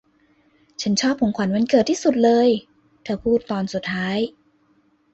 'ฉันชอบของขวัญวันเกิดที่สุดเลย' เธอพูดตอนสุดท้าย